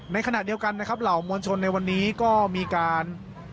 ในขณะเดียวกันนะครับเหล่ามวลชนในวันนี้ก็มีการ